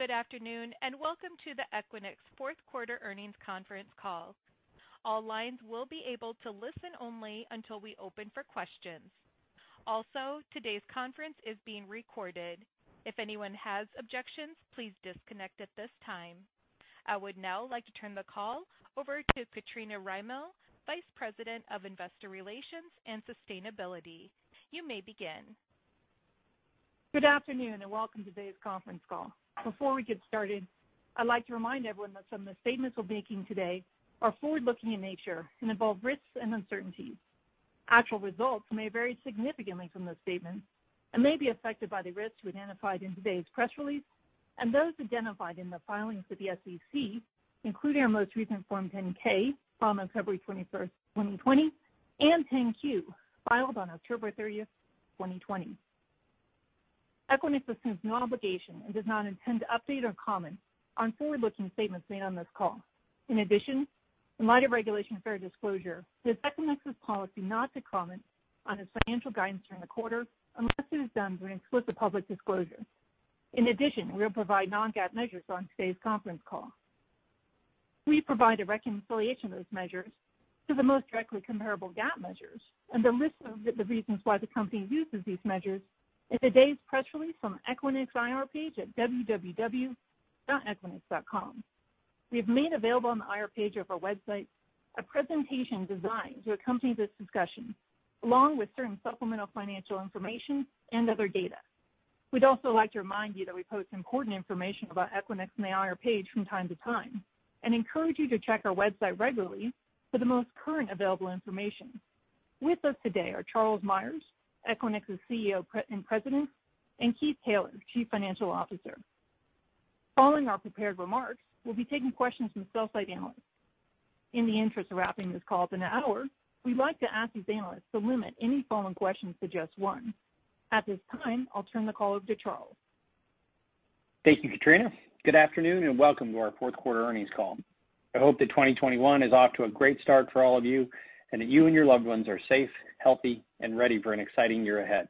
Good afternoon, welcome to the Equinix Fourth Quarter Earnings Conference Call. All lines will be able to listen only until we open for questions. Today's conference is being recorded. If anyone has objections, please disconnect at this time. I would now like to turn the call over to Katrina Rymill, Vice President of Investor Relations and Sustainability. You may begin. Good afternoon. Welcome to today's conference call. Before we get started, I'd like to remind everyone that some of the statements we're making today are forward-looking in nature and involve risks and uncertainties. Actual results may vary significantly from those statements and may be affected by the risks we identified in today's press release and those identified in the filings with the SEC, including our most recent Form 10-K filed on February 21st, 2020, and 10-Q, filed on October 30th, 2020. Equinix assumes no obligation and does not intend to update or comment on forward-looking statements made on this call. In light of Regulation Fair Disclosure, it is Equinix's policy not to comment on its financial guidance during the quarter unless it is done during explicit public disclosure. We'll provide non-GAAP measures on today's conference call. We provide a reconciliation of those measures to the most directly comparable GAAP measures. The list of the reasons why the company uses these measures is today's press release from Equinix IR page at www.equinix.com. We have made available on the IR page of our website a presentation designed to accompany this discussion, along with certain supplemental financial information and other data. We'd also like to remind you that we post important information about Equinix on the IR page from time to time and encourage you to check our website regularly for the most current available information. With us today are Charles Meyers, Equinix's CEO and President, and Keith Taylor, Chief Financial Officer. Following our prepared remarks, we'll be taking questions from sell-side analysts. In the interest of wrapping this call up an hour, we'd like to ask these analysts to limit any follow-up questions to just one. At this time, I'll turn the call over to Charles. Thank you, Katrina. Good afternoon, and welcome to our fourth quarter earnings call. I hope that 2021 is off to a great start for all of you and that you and your loved ones are safe, healthy, and ready for an exciting year ahead.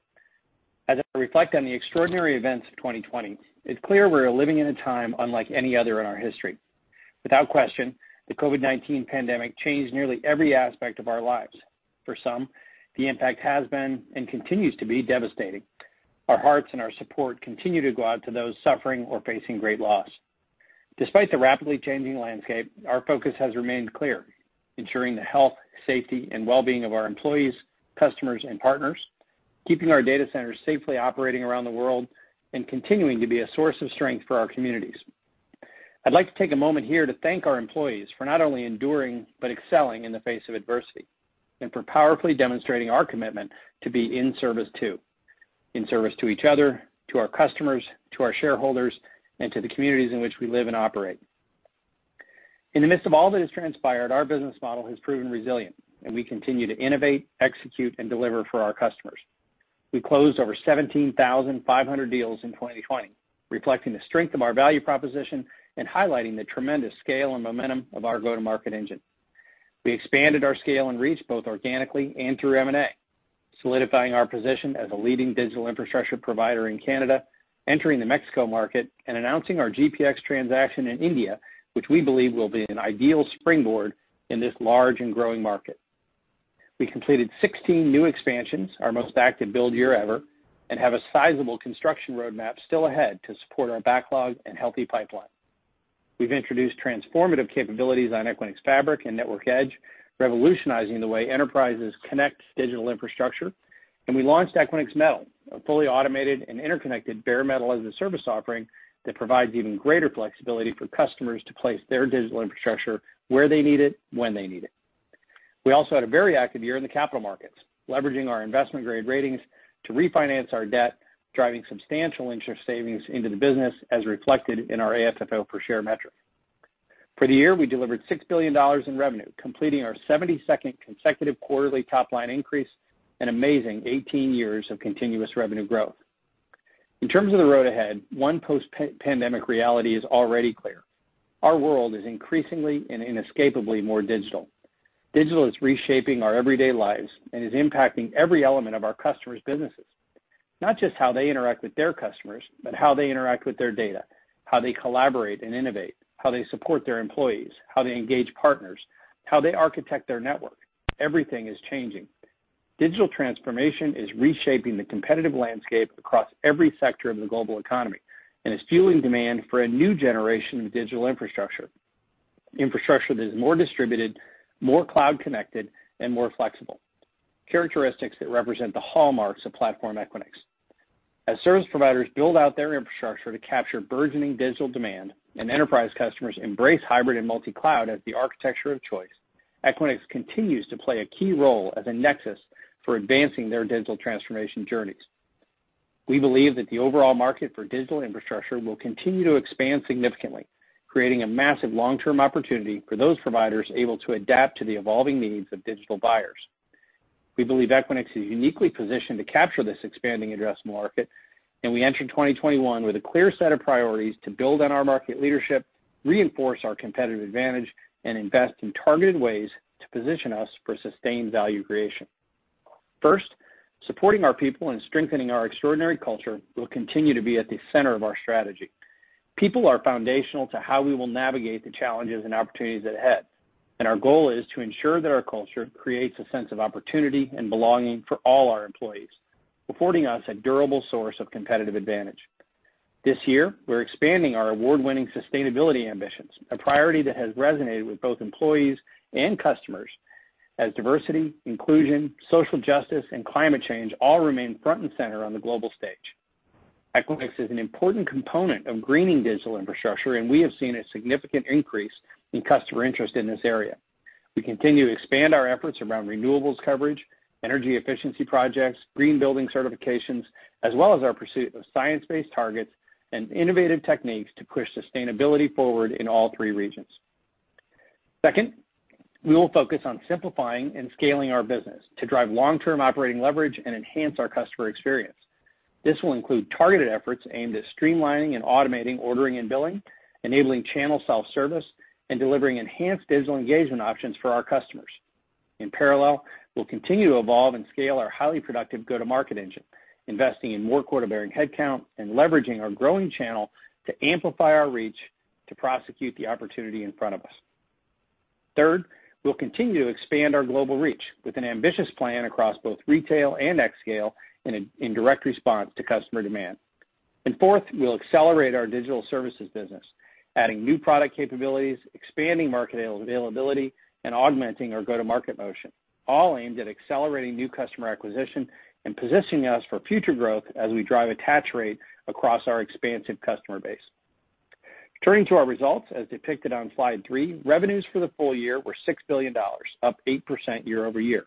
As I reflect on the extraordinary events of 2020, it's clear we're living in a time unlike any other in our history. Without question, the COVID-19 pandemic changed nearly every aspect of our lives. For some, the impact has been, and continues to be, devastating. Our hearts and our support continue to go out to those suffering or facing great loss. Despite the rapidly changing landscape, our focus has remained clear, ensuring the health, safety, and wellbeing of our employees, customers, and partners, keeping our data centers safely operating around the world, and continuing to be a source of strength for our communities. I'd like to take a moment here to thank our employees for not only enduring but excelling in the face of adversity and for powerfully demonstrating our commitment to be in service too. In service to each other, to our customers, to our shareholders, and to the communities in which we live and operate. In the midst of all that has transpired, our business model has proven resilient, and we continue to innovate, execute, and deliver for our customers. We closed over 17,500 deals in 2020, reflecting the strength of our value proposition and highlighting the tremendous scale and momentum of our go-to-market engine. We expanded our scale and reach both organically and through M&A, solidifying our position as a leading digital infrastructure provider in Canada, entering the Mexico market, and announcing our GPX transaction in India, which we believe will be an ideal springboard in this large and growing market. We completed 16 new expansions, our most active build year ever, and have a sizable construction roadmap still ahead to support our backlog and healthy pipeline. We've introduced transformative capabilities on Equinix Fabric and Network Edge, revolutionizing the way enterprises connect digital infrastructure, and we launched Equinix Metal, a fully automated and interconnected Bare Metal as a Service offering that provides even greater flexibility for customers to place their digital infrastructure where they need it, when they need it. We also had a very active year in the capital markets, leveraging our investment-grade ratings to refinance our debt, driving substantial interest savings into the business as reflected in our AFFO per share metric. For the year, we delivered $6 billion in revenue, completing our 72nd consecutive quarterly top-line increase, an amazing 18 years of continuous revenue growth. In terms of the road ahead, one post-pandemic reality is already clear. Our world is increasingly and inescapably more digital. Digital is reshaping our everyday lives and is impacting every element of our customers' businesses. Not just how they interact with their customers, but how they interact with their data, how they collaborate and innovate, how they support their employees, how they engage partners, how they architect their network. Everything is changing. Digital transformation is reshaping the competitive landscape across every sector of the global economy and is fueling demand for a new generation of digital infrastructure. Infrastructure that is more distributed, more cloud-connected, and more flexible, characteristics that represent the hallmarks of Platform Equinix. As service providers build out their infrastructure to capture burgeoning digital demand and enterprise customers embrace hybrid multi-cloud as the architecture of choice, Equinix continues to play a key role as a nexus for advancing their digital transformation journeys. We believe that the overall market for digital infrastructure will continue to expand significantly, creating a massive long-term opportunity for those providers able to adapt to the evolving needs of digital buyers. We believe Equinix is uniquely positioned to capture this expanding address market, and we enter 2021 with a clear set of priorities to build on our market leadership, reinforce our competitive advantage, and invest in targeted ways to position us for sustained value creation. First, supporting our people and strengthening our extraordinary culture will continue to be at the center of our strategy. People are foundational to how we will navigate the challenges and opportunities ahead. Our goal is to ensure that our culture creates a sense of opportunity and belonging for all our employees, affording us a durable source of competitive advantage. This year, we're expanding our award-winning sustainability ambitions, a priority that has resonated with both employees and customers as diversity, inclusion, social justice, and climate change all remain front and center on the global stage. Equinix is an important component of greening digital infrastructure, and we have seen a significant increase in customer interest in this area. We continue to expand our efforts around renewables coverage, energy efficiency projects, green building certifications, as well as our pursuit of science-based targets and innovative techniques to push sustainability forward in all three regions. Second, we will focus on simplifying and scaling our business to drive long-term operating leverage and enhance our customer experience. This will include targeted efforts aimed at streamlining and automating ordering and billing, enabling channel self-service, and delivering enhanced digital engagement options for our customers. In parallel, we'll continue to evolve and scale our highly productive go-to-market engine, investing in more quota-bearing headcount and leveraging our growing channel to amplify our reach to prosecute the opportunity in front of us. Third, we'll continue to expand our global reach with an ambitious plan across both retail and xScale in direct response to customer demand. Fourth, we'll accelerate our digital services business, adding new product capabilities, expanding market availability, and augmenting our go-to-market motion, all aimed at accelerating new customer acquisition and positioning us for future growth as we drive attach rate across our expansive customer base. Turning to our results as depicted on slide three, revenues for the full year were $6 billion, up 8% year-over-year.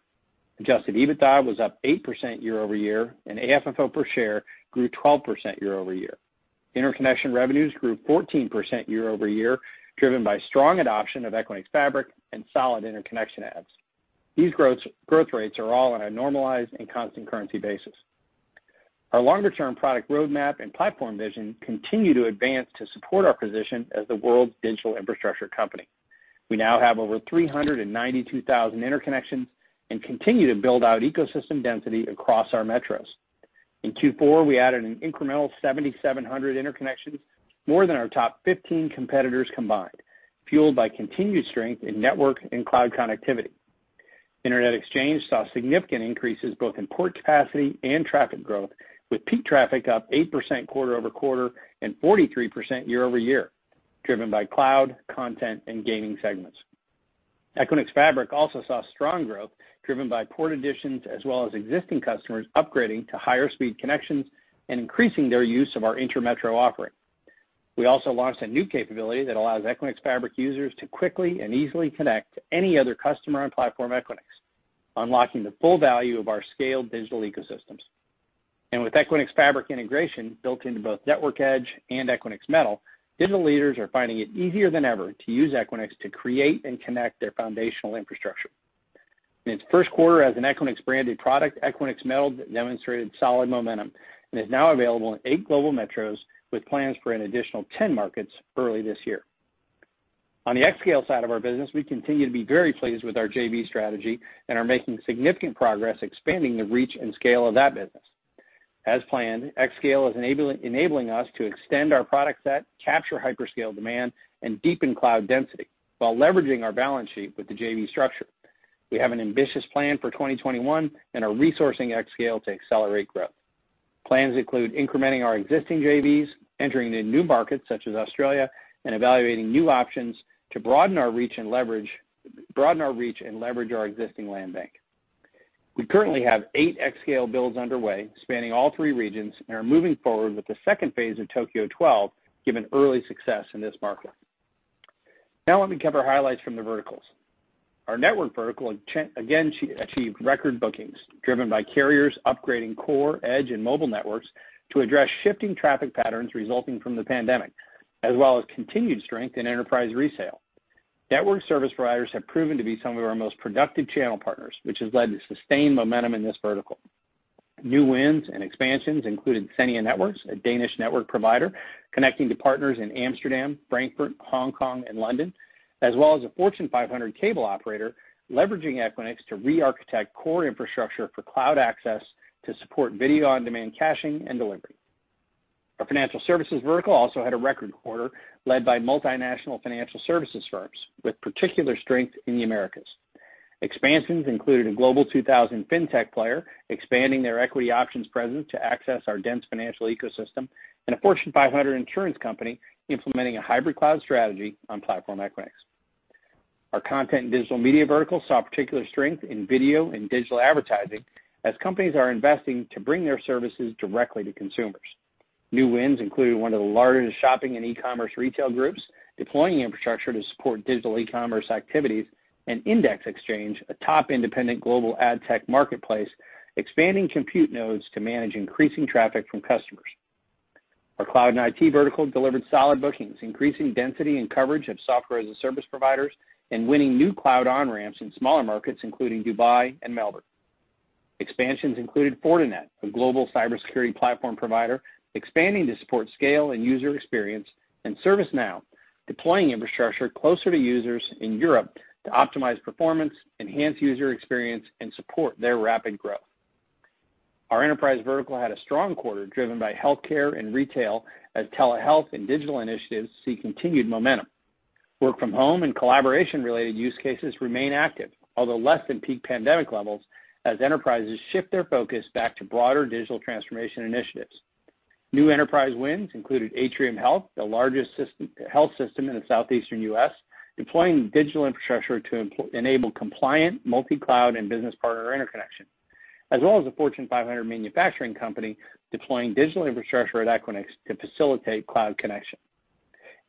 Adjusted EBITDA was up 8% year-over-year, and AFFO per share grew 12% year-over-year. Interconnection revenues grew 14% year-over-year, driven by strong adoption of Equinix Fabric and solid interconnection adds. These growth rates are all on a normalized and constant currency basis. Our longer-term product roadmap and platform vision continue to advance to support our position as the world's digital infrastructure company. We now have over 392,000 interconnections and continue to build out ecosystem density across our metros. In Q4, we added an incremental 7,700 interconnections, more than our top 15 competitors combined, fueled by continued strength in network and cloud connectivity. Internet exchange saw significant increases both in port capacity and traffic growth, with peak traffic up 8% quarter-over-quarter and 43% year-over-year, driven by cloud, content, and gaming segments. Equinix Fabric also saw strong growth driven by port additions as well as existing customers upgrading to higher speed connections and increasing their use of our inter-metro offering. We also launched a new capability that allows Equinix Fabric users to quickly and easily connect to any other customer on Platform Equinix, unlocking the full value of our scaled digital ecosystems. With Equinix Fabric integration built into both Network Edge and Equinix Metal, digital leaders are finding it easier than ever to use Equinix to create and connect their foundational infrastructure. In its first quarter as an Equinix-branded product, Equinix Metal demonstrated solid momentum and is now available in eight global metros with plans for an additional 10 markets early this year. On the xScale side of our business, we continue to be very pleased with our JV strategy and are making significant progress expanding the reach and scale of that business. As planned, xScale is enabling us to extend our product set, capture hyperscale demand, and deepen cloud density while leveraging our balance sheet with the JV structure. We have an ambitious plan for 2021 and are resourcing xScale to accelerate growth. Plans include incrementing our existing JVs, entering into new markets such as Australia, and evaluating new options to broaden our reach and leverage our existing land bank. We currently have eight xScale builds underway spanning all three regions and are moving forward with the phase II of Tokyo 12, given early success in this market. Let me cover highlights from the verticals. Our network vertical again achieved record bookings driven by carriers upgrading core, edge, and mobile networks to address shifting traffic patterns resulting from the pandemic, as well as continued strength in enterprise resale. Network service providers have proven to be some of our most productive channel partners, which has led to sustained momentum in this vertical. New wins and expansions included Cinia, a Danish network provider connecting to partners in Amsterdam, Frankfurt, Hong Kong, and London, as well as a Fortune 500 cable operator leveraging Equinix to rearchitect core infrastructure for cloud access to support video-on-demand caching and delivery. Our financial services vertical also had a record quarter led by multinational financial services firms with particular strength in the Americas. Expansions included a Global 2000 fintech player expanding their equity options presence to access our dense financial ecosystem and a Fortune 500 insurance company implementing a hybrid cloud strategy on Platform Equinix. Our content and digital media vertical saw particular strength in video and digital advertising as companies are investing to bring their services directly to consumers. New wins included one of the largest shopping and e-commerce retail groups deploying infrastructure to support digital e-commerce activities and Index Exchange, a top independent global ad tech marketplace, expanding compute nodes to manage increasing traffic from customers. Our cloud and IT vertical delivered solid bookings, increasing density and coverage of Software as a Service providers and winning new cloud on-ramps in smaller markets, including Dubai and Melbourne. Expansions included Fortinet, a global cybersecurity platform provider expanding to support scale and user experience, and ServiceNow deploying infrastructure closer to users in Europe to optimize performance, enhance user experience, and support their rapid growth. Our enterprise vertical had a strong quarter driven by healthcare and retail as telehealth and digital initiatives see continued momentum. Work from home and collaboration-related use cases remain active, although less than peak pandemic levels, as enterprises shift their focus back to broader digital transformation initiatives. New enterprise wins included Atrium Health, the largest health system in the southeastern U.S., deploying digital infrastructure to enable compliant multi-cloud and business partner interconnection, as well as a Fortune 500 manufacturing company deploying digital infrastructure at Equinix to facilitate cloud connection.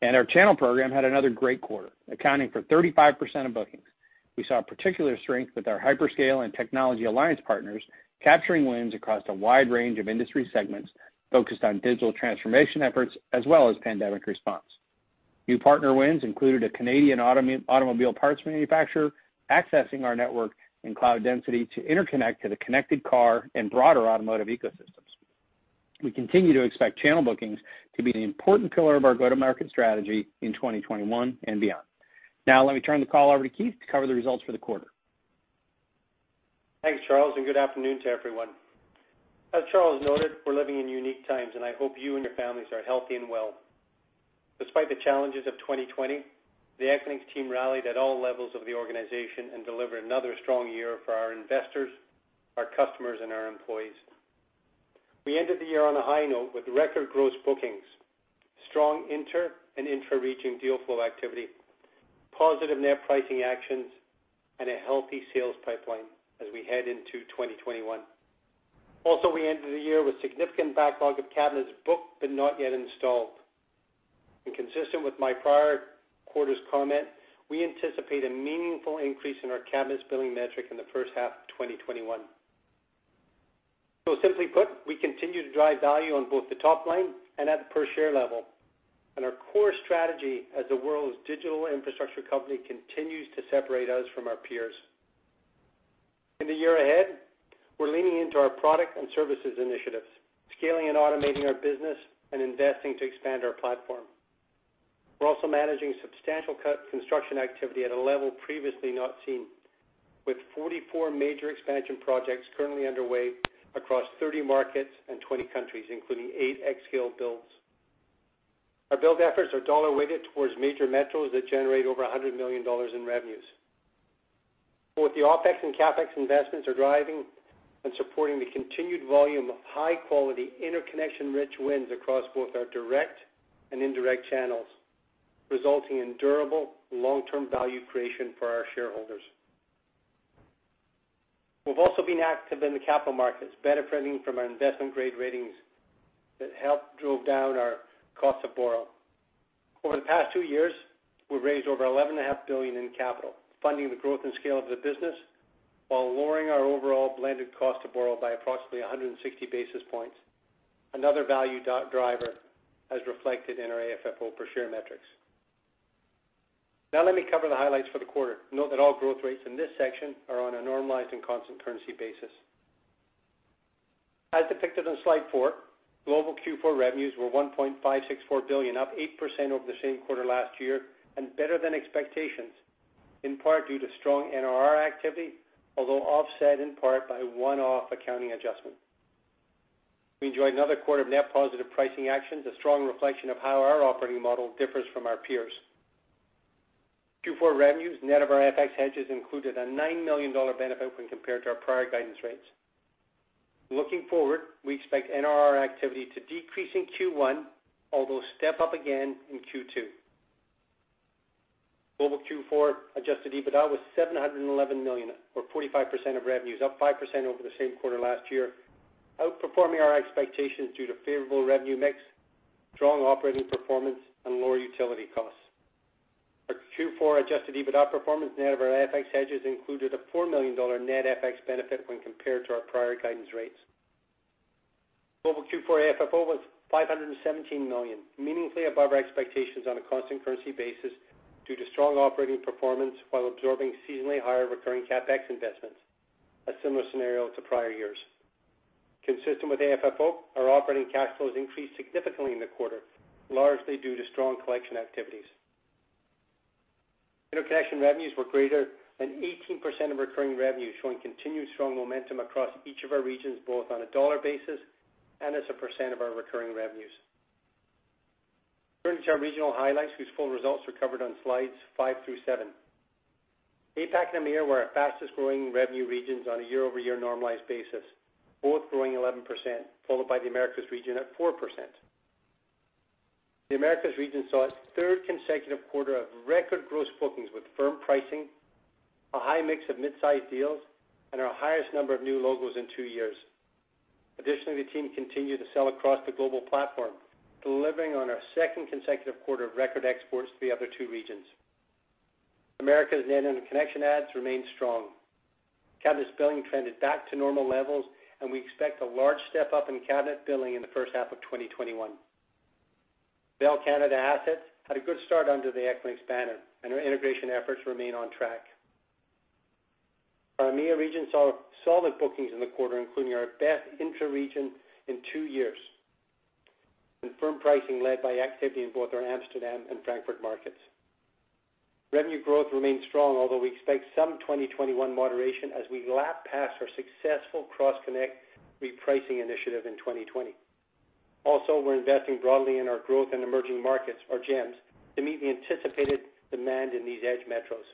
Our channel program had another great quarter, accounting for 35% of bookings. We saw particular strength with our hyperscale and technology alliance partners, capturing wins across a wide range of industry segments focused on digital transformation efforts, as well as pandemic response. New partner wins included a Canadian automobile parts manufacturer accessing our network and cloud density to interconnect to the connected car and broader automotive ecosystems. We continue to expect channel bookings to be an important pillar of our go-to-market strategy in 2021 and beyond. Now let me turn the call over to Keith to cover the results for the quarter. Thanks, Charles. Good afternoon to everyone. As Charles noted, we're living in unique times, and I hope you and your families are healthy and well. Despite the challenges of 2020, the Equinix team rallied at all levels of the organization and delivered another strong year for our investors, our customers, and our employees. We ended the year on a high note with record gross bookings, strong inter and intra-region deal flow activity, positive net pricing actions, and a healthy sales pipeline as we head into 2021. We ended the year with significant backlog of cabinets booked but not yet installed. Consistent with my prior quarter's comment, we anticipate a meaningful increase in our cabinets billing metric in the first half of 2021. Simply put, we continue to drive value on both the top line and at the per share level. Our core strategy as the world's digital infrastructure company continues to separate us from our peers. In the year ahead, we're leaning into our product and services initiatives, scaling and automating our business, and investing to expand our Platform Equinix. We're also managing substantial construction activity at a level previously not seen, with 44 major expansion projects currently underway across 30 markets and 20 countries, including eight xScale builds. Our build efforts are dollar-weighted towards major metros that generate over $100 million in revenues. Both the OpEx and CapEx investments are driving and supporting the continued volume of high-quality interconnection rich wins across both our direct and indirect channels, resulting in durable long-term value creation for our shareholders. We've also been active in the capital markets, benefiting from our investment-grade ratings that helped drove down our cost to borrow. Over the past two years, we've raised over $11.5 billion in capital, funding the growth and scale of the business while lowering our overall blended cost to borrow by approximately 160 basis points. Another value driver, as reflected in our AFFO per share metrics. Now let me cover the highlights for the quarter. Note that all growth rates in this section are on a normalized and constant currency basis. As depicted on slide four, global Q4 revenues were $1.564 billion, up 8% over the same quarter last year, and better than expectations, in part due to strong NRR activity, although offset in part by a one-off accounting adjustment. We enjoyed another quarter of net positive pricing actions, a strong reflection of how our operating model differs from our peers. Q4 revenues, net of our FX hedges, included a $9 million benefit when compared to our prior guidance rates. Looking forward, we expect NRR activity to decrease in Q1, although step up again in Q2. Global Q4 adjusted EBITDA was $711 million or 45% of revenues, up 5% over the same quarter last year, outperforming our expectations due to favorable revenue mix, strong operating performance, and lower utility costs. Our Q4 adjusted EBITDA performance net of our FX hedges included a $4 million net FX benefit when compared to our prior guidance rates. Global Q4 AFFO was $517 million, meaningfully above our expectations on a constant currency basis due to strong operating performance while absorbing seasonally higher recurring CapEx investments, a similar scenario to prior years. Consistent with AFFO, our operating cash flows increased significantly in the quarter, largely due to strong collection activities. Interconnection revenues were greater than 18% of recurring revenues, showing continued strong momentum across each of our regions, both on a dollar basis and as a percent of our recurring revenues. Turning to our regional highlights, whose full results are covered on slides five through seven. APAC and EMEA were our fastest-growing revenue regions on a year-over-year normalized basis, both growing 11%, followed by the Americas region at 4%. The Americas region saw its third consecutive quarter of record gross bookings with firm pricing, a high mix of mid-size deals, and our highest number of new logos in two years. Additionally, the team continued to sell across the global platform, delivering on our second consecutive quarter of record exports to the other two regions. Americas net new connection adds remained strong. Cabinets billing trended back to normal levels. We expect a large step-up in cabinet billing in the first half of 2021. Bell Canada assets had a good start under the Equinix banner. Our integration efforts remain on track. Our EMEA region saw solid bookings in the quarter, including our best intra region in two years, with confirmed pricing led by activity in both our Amsterdam and Frankfurt markets. Revenue growth remains strong, although we expect some 2021 moderation as we lap past our successful cross-connect repricing initiative in 2020. We're investing broadly in our growth in emerging markets, or GEMs, to meet the anticipated demand in these edge metros.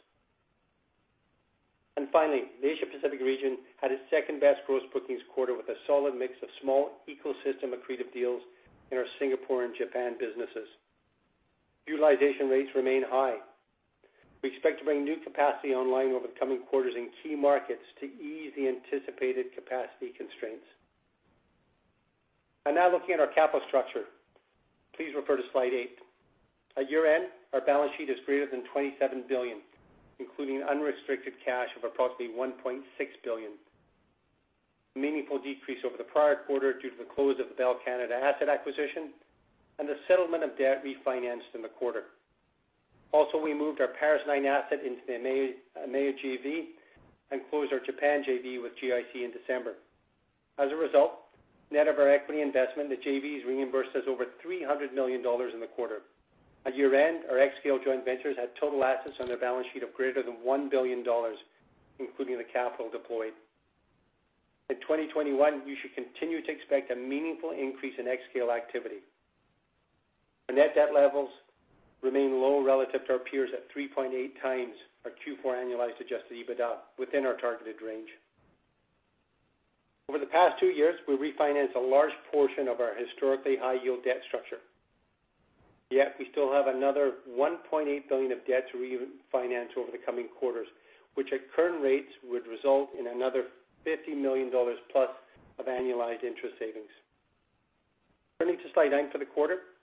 Finally, the Asia Pacific region had its second-best gross bookings quarter with a solid mix of small ecosystem accretive deals in our Singapore and Japan businesses. Utilization rates remain high. We expect to bring new capacity online over the coming quarters in key markets to ease the anticipated capacity constraints. Now looking at our capital structure. Please refer to slide eight. At year-end, our balance sheet is greater than $27 billion, including unrestricted cash of approximately $1.6 billion. A meaningful decrease over the prior quarter due to the close of the Bell Canada asset acquisition and the settlement of debt refinanced in the quarter. Also, we moved our Paris 9 asset into the EMEA JV and closed our Japan JV with GIC in December. As a result, net of our equity investment, the JV has reimbursed us over $300 million in the quarter. At year-end, our xScale joint ventures had total assets on their balance sheet of greater than $1 billion, including the capital deployed. In 2021, we should continue to expect a meaningful increase in xScale activity. Our net debt levels remain low relative to our peers at 3.8x our Q4 annualized adjusted EBITDA, within our targeted range. Over the past two years, we've refinanced a large portion of our historically high-yield debt structure. We still have another $1.8 billion of debt to refinance over the coming quarters, which at current rates would result in another $50 million+ of annualized interest savings. Turning to slide nine for the quarter.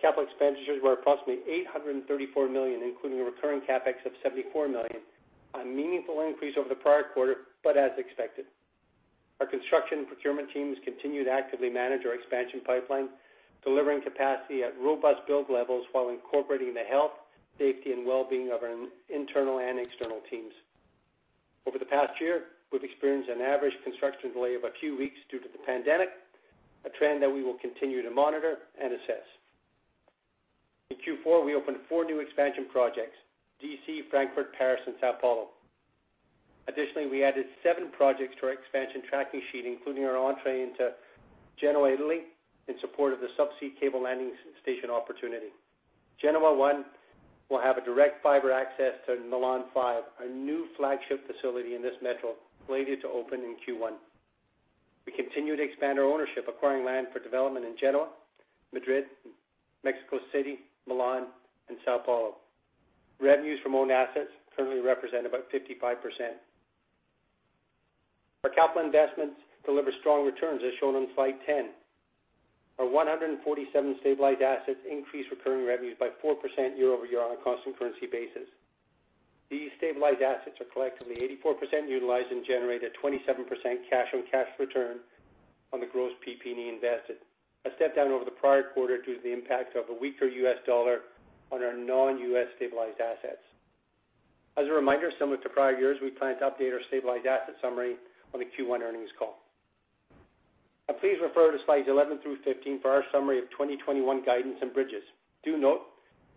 Capital expenditures were approximately $834 million, including a recurring CapEx of $74 million, a meaningful increase over the prior quarter, but as expected. Our construction procurement teams continued to actively manage our expansion pipeline, delivering capacity at robust build levels while incorporating the health, safety, and well-being of our internal and external teams. Over the past year, we've experienced an average construction delay of a few weeks due to the pandemic, a trend that we will continue to monitor and assess. In Q4, we opened four new expansion projects, D.C., Frankfurt, Paris, and São Paulo. Additionally, we added seven projects to our expansion tracking sheet, including our entry into Genoa, Italy, in support of the subsea cable landing station opportunity. Genoa 1 will have a direct fiber access to Milan 5, our new flagship facility in this metro, slated to open in Q1. We continue to expand our ownership, acquiring land for development in Genoa, Madrid, Mexico City, Milan, and São Paulo. Revenues from owned assets currently represent about 55%. Our capital investments deliver strong returns, as shown on slide 10. Our 147 stabilized assets increase recurring revenues by 4% year-over-year on a constant currency basis. These stabilized assets are collectively 84% utilized and generate a 27% cash on cash return on the gross PP&E invested, a step down over the prior quarter due to the impact of a weaker U.S. dollar on our non-U.S. stabilized assets. As a reminder, similar to prior years, we plan to update our stabilized asset summary on the Q1 earnings call. Please refer to slides 11 through 15 for our summary of 2021 guidance and bridges. Do note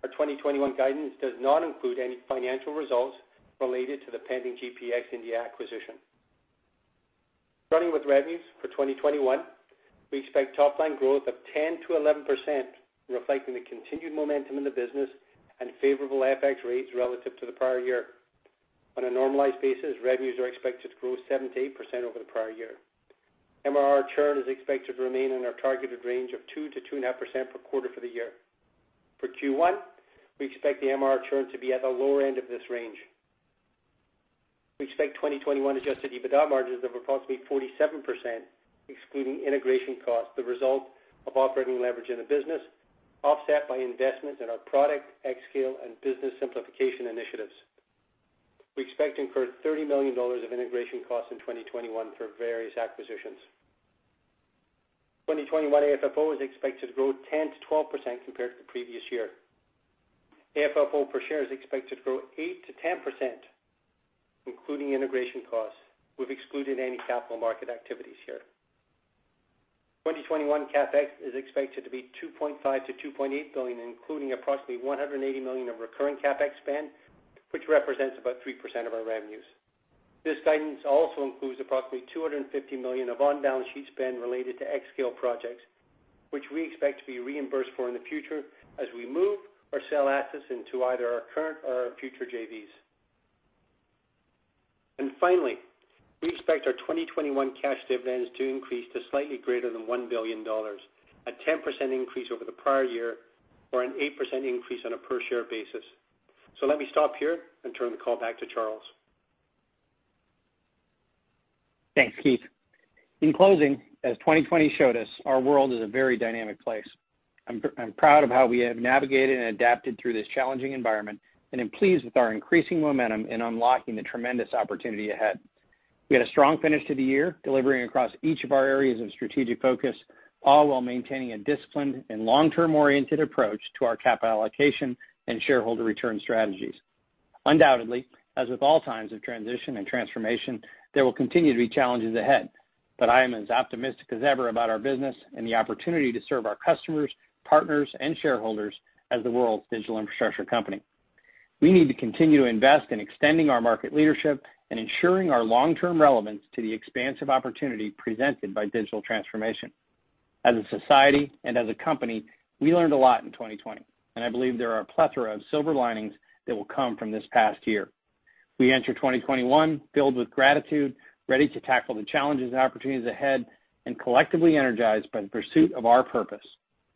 our 2021 guidance does not include any financial results related to the pending GPX India acquisition. Revenues for 2021, we expect top line growth of 10%-11%, reflecting the continued momentum in the business and favorable FX rates relative to the prior year. On a normalized basis, revenues are expected to grow 7%-8% over the prior year. MRR churn is expected to remain in our targeted range of 2%-2.5% per quarter for the year. For Q1, we expect the MRR churn to be at the lower end of this range. We expect 2021 adjusted EBITDA margins of approximately 47%, excluding integration costs, the result of operating leverage in the business, offset by investments in our product, xScale, and business simplification initiatives. We expect to incur $30 million of integration costs in 2021 for various acquisitions. 2021 AFFO is expected to grow 10%-12% compared to the previous year. AFFO per share is expected to grow 8%-10%, including integration costs. We've excluded any capital market activities here. 2021 CapEx is expected to be $2.5 billion-$2.8 billion, including approximately $180 million of recurring CapEx spend, which represents about 3% of our revenues. This guidance also includes approximately $250 million of on-balance sheet spend related to xScale projects, which we expect to be reimbursed for in the future as we move or sell assets into either our current or our future JVs. Finally, we expect our 2021 cash dividends to increase to slightly greater than $1 billion, a 10% increase over the prior year or an 8% increase on a per share basis. Let me stop here and turn the call back to Charles. Thanks, Keith. In closing, as 2020 showed us, our world is a very dynamic place. I'm proud of how we have navigated and adapted through this challenging environment and am pleased with our increasing momentum in unlocking the tremendous opportunity ahead. We had a strong finish to the year, delivering across each of our areas of strategic focus. All while maintaining a disciplined and long-term oriented approach to our capital allocation and shareholder return strategies. Undoubtedly, as with all times of transition and transformation, there will continue to be challenges ahead. I am as optimistic as ever about our business and the opportunity to serve our customers, partners, and shareholders as the world's digital infrastructure company. We need to continue to invest in extending our market leadership and ensuring our long-term relevance to the expansive opportunity presented by digital transformation. As a society and as a company, we learned a lot in 2020, and I believe there are a plethora of silver linings that will come from this past year. We enter 2021 filled with gratitude, ready to tackle the challenges and opportunities ahead, and collectively energized by the pursuit of our purpose,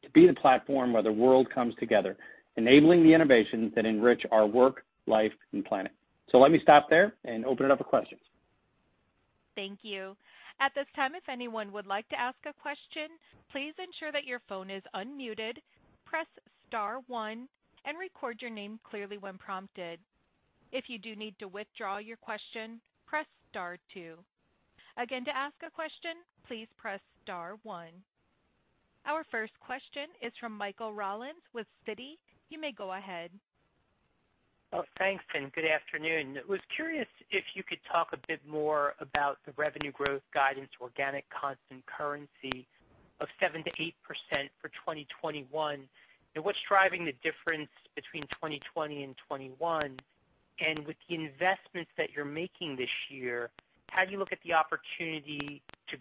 to be the platform where the world comes together, enabling the innovations that enrich our work, life, and planet. Let me stop there and open it up for questions. Thank you. Our first question is from Michael Rollins with Citi. You may go ahead. Thanks, and good afternoon. I was curious if you could talk a bit more about the revenue growth guidance, organic constant currency of 7%-8% for 2021, and what's driving the difference between 2020 and 2021. With the investments that you're making this year, how do you look at the opportunity to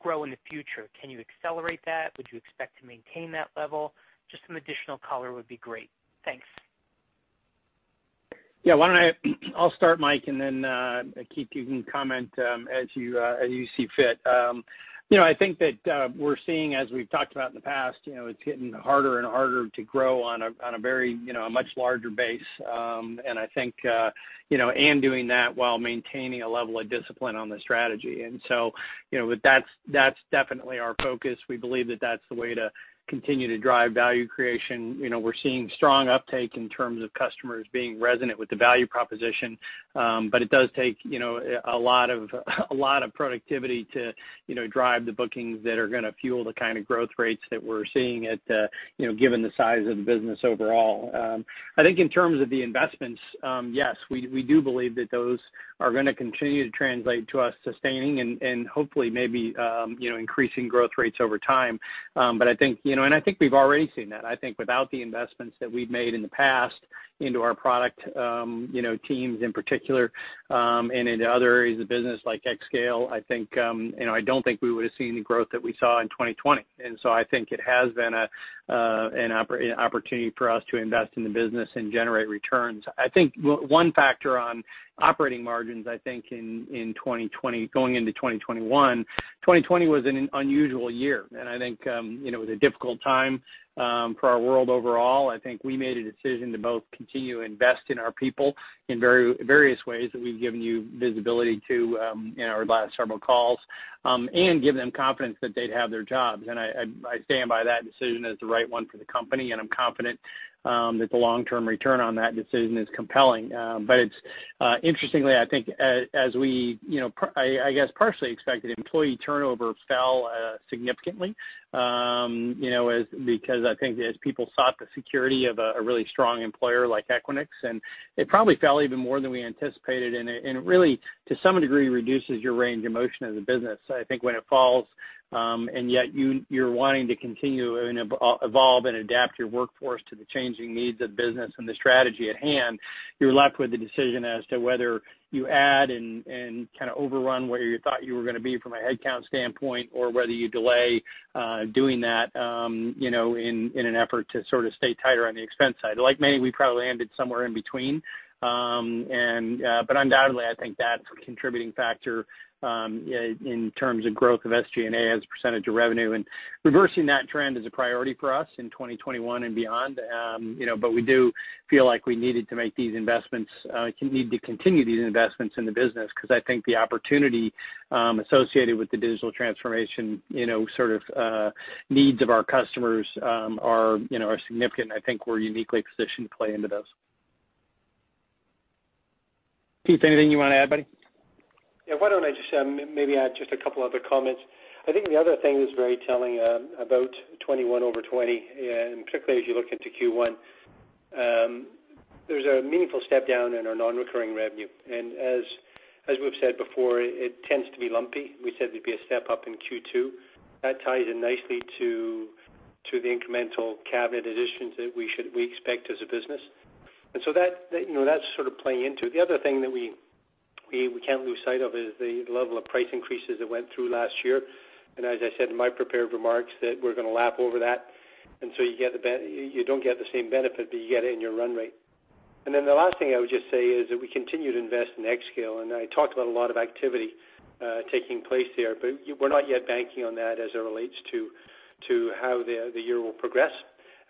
grow in the future? Can you accelerate that? Would you expect to maintain that level? Just some additional color would be great. Thanks. Yeah. Why don't I start, Mike, then, Keith, you can comment as you see fit. I think that we're seeing, as we've talked about in the past, it's getting harder and harder to grow on a much larger base. I think, doing that while maintaining a level of discipline on the strategy. That's definitely our focus. We believe that that's the way to continue to drive value creation. We're seeing strong uptake in terms of customers being resonant with the value proposition. It does take a lot of productivity to drive the bookings that are going to fuel the kind of growth rates that we're seeing given the size of the business overall. I think in terms of the investments, yes, we do believe that those are going to continue to translate to us sustaining and hopefully maybe increasing growth rates over time. I think we've already seen that. I think without the investments that we've made in the past into our product teams in particular, and into other areas of business like xScale, I don't think we would've seen the growth that we saw in 2020. I think it has been an opportunity for us to invest in the business and generate returns. I think one factor on operating margins, I think going into 2021, 2020 was an unusual year, and I think it was a difficult time for our world overall. I think we made a decision to both continue to invest in our people in various ways that we've given you visibility to in our last several calls, and give them confidence that they'd have their jobs. I stand by that decision as the right one for the company, and I'm confident that the long-term return on that decision is compelling. Interestingly, I think as we, I guess, partially expected, employee turnover fell significantly, because I think as people sought the security of a really strong employer like Equinix, and it probably fell even more than we anticipated, and it really, to some degree, reduces your range of motion as a business. I think when it falls, and yet you're wanting to continue and evolve and adapt your workforce to the changing needs of business and the strategy at hand, you're left with the decision as to whether you add and kind of overrun where you thought you were going to be from a headcount standpoint, or whether you delay doing that in an effort to sort of stay tighter on the expense side. Like many, we probably landed somewhere in between. Undoubtedly, I think that's a contributing factor in terms of growth of SG&A as a percentage of revenue. Reversing that trend is a priority for us in 2021 and beyond. We do feel like we needed to continue these investments in the business, because I think the opportunity associated with the digital transformation needs of our customers are significant, and I think we're uniquely positioned to play into those. Keith, anything you want to add, buddy? Yeah, why don't I just maybe add just a couple other comments. I think the other thing that's very telling about 2021 over 2020, and particularly as you look into Q1, there's a meaningful step down in our non-recurring revenue. As we've said before, it tends to be lumpy. We said there'd be a step-up in Q2. That ties in nicely to the incremental cabinet additions that we expect as a business. That's sort of playing into. The other thing that we can't lose sight of is the level of price increases that went through last year. As I said in my prepared remarks, that we're going to lap over that. You don't get the same benefit, but you get it in your run rate. The last thing I would just say is that we continue to invest in xScale, and I talked about a lot of activity taking place there, but we're not yet banking on that as it relates to how the year will progress,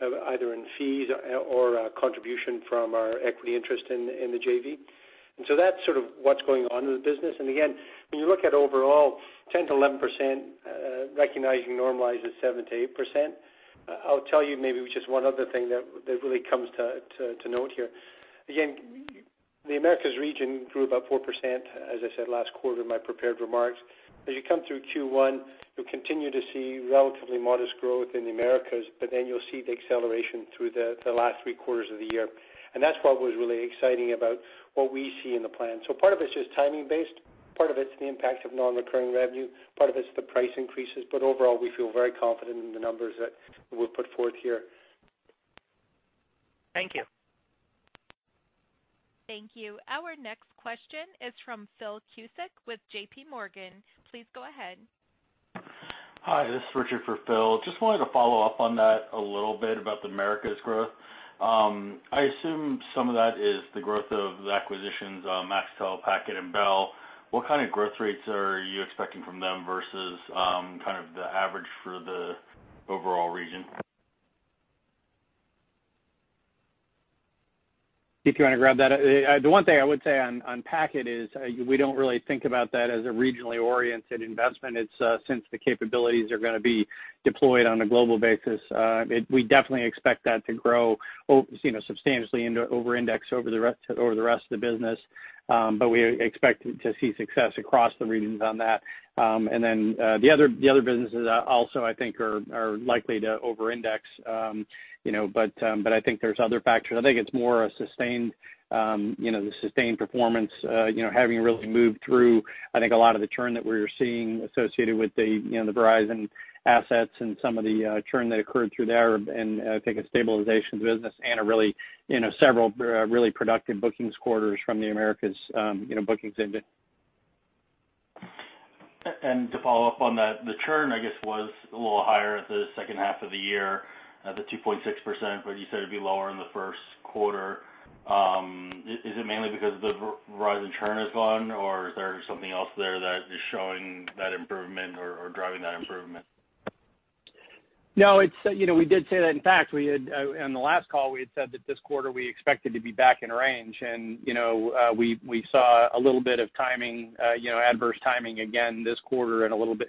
either in fees or contribution from our equity interest in the JV. That's sort of what's going on in the business. Again, when you look at overall, 10%-11%, recognizing normalized is 7%-8%. I'll tell you maybe just one other thing that really comes to note here. The Americas region grew about 4%, as I said last quarter in my prepared remarks. You'll continue to see relatively modest growth in the Americas, you'll see the acceleration through the last three quarters of the year, that's what was really exciting about what we see in the plan. Part of it's just timing based, part of it's the impact of non-recurring revenue, part of it's the price increases. Overall, we feel very confident in the numbers that we've put forth here. Thank you. Thank you. Our next question is from Phil Cusick with JPMorgan. Please go ahead. Hi, this is Richard for Phil. Just wanted to follow up on that a little bit about the Americas growth. I assume some of that is the growth of the acquisitions, Axtel, Packet, and Bell. What kind of growth rates are you expecting from them versus, the average for the overall region? Keith, you want to grab that? The one thing I would say on Packet is we don't really think about that as a regionally oriented investment. Since the capabilities are going to be deployed on a global basis, we definitely expect that to grow substantially over-index, over the rest of the business. We expect to see success across the regions on that. Then, the other businesses also, I think, are likely to over-index. I think there's other factors. I think it's more a sustained performance, having really moved through, I think, a lot of the churn that we're seeing associated with the Verizon assets and some of the churn that occurred through there and I think a stabilization of the business and several really productive bookings quarters from the Americas bookings. To follow up on that, the churn, I guess, was a little higher at the second half of the year, the 2.6%, but you said it'd be lower in the first quarter. Is it mainly because the Verizon churn is gone, or is there something else there that is showing that improvement or driving that improvement? No, we did say that. On the last call, we had said that this quarter, we expected to be back in range. We saw a little bit of adverse timing again this quarter and a little bit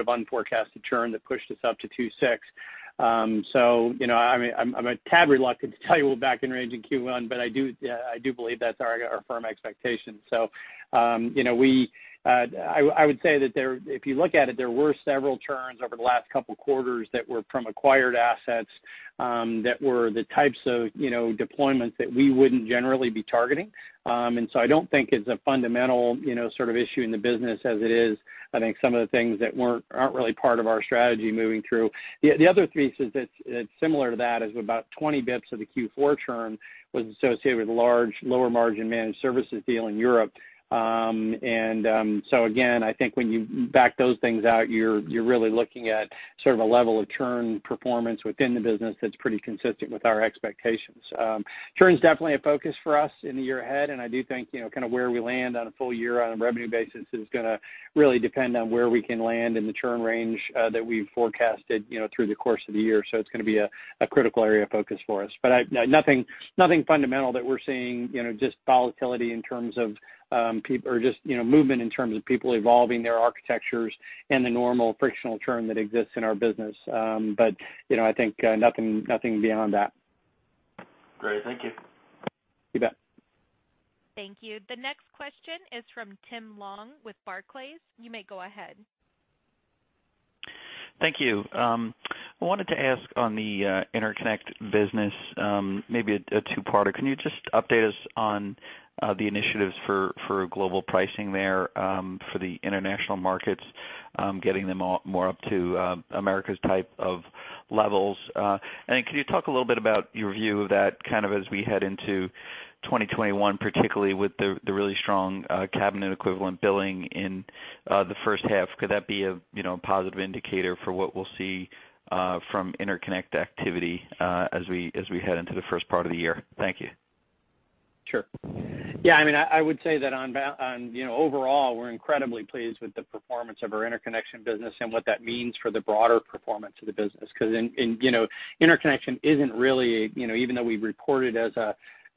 of unforecasted churn that pushed us up to 2.6%. I'm a tad reluctant to tell you we're back in range in Q1, I do believe that's our firm expectation. I would say that if you look at it, there were several churns over the last couple of quarters that were from acquired assets, that were the types of deployments that we wouldn't generally be targeting. I don't think it's a fundamental sort of issue in the business as it is. I think some of the things that aren't really part of our strategy moving through. The other piece that's similar to that is about 20 basis points of the Q4 churn was associated with a large lower-margin managed services deal in Europe. Again, I think when you back those things out, you're really looking at sort of a level of churn performance within the business that's pretty consistent with our expectations. Churn is definitely a focus for us in the year ahead, and I do think where we land on a full year on a revenue basis is going to really depend on where we can land in the churn range that we've forecasted through the course of the year. It's going to be a critical area of focus for us. Nothing fundamental that we're seeing, just volatility in terms of movement in terms of people evolving their architectures and the normal frictional churn that exists in our business. I think nothing beyond that. Great. Thank you. You bet. Thank you. The next question is from Tim Long with Barclays. You may go ahead. Thank you. I wanted to ask on the interconnect business, maybe a two-parter. Can you just update us on the initiatives for global pricing there for the international markets, getting them more up to America's type of levels? Can you talk a little bit about your view of that as we head into 2021, particularly with the really strong cabinet equivalent billing in the first half? Could that be a positive indicator for what we'll see from interconnect activity as we head into the first part of the year? Thank you. Sure. Yeah, I would say that overall, we're incredibly pleased with the performance of our interconnection business and what that means for the broader performance of the business. Because interconnection isn't really, even though we report it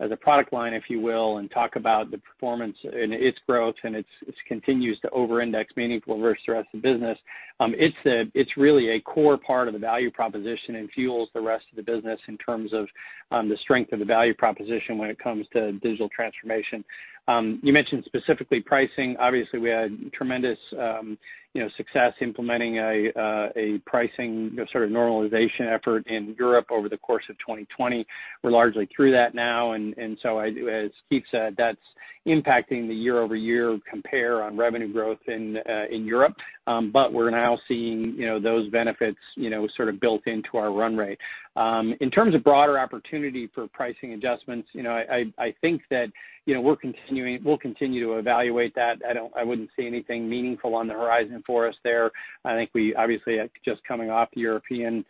as a product line, if you will, and talk about the performance and its growth, and it continues to over-index meaningfully versus the rest of the business, it's really a core part of the value proposition and fuels the rest of the business in terms of the strength of the value proposition when it comes to digital transformation. You mentioned specifically pricing. Obviously, we had tremendous success implementing a pricing sort of normalization effort in Europe over the course of 2020. We're largely through that now. As Keith said, that's impacting the year-over-year compare on revenue growth in Europe. We're now seeing those benefits sort of built into our run rate. In terms of broader opportunity for pricing adjustments, I think that we'll continue to evaluate that. I wouldn't say anything meaningful on the horizon for us there. I think we obviously are just coming off the European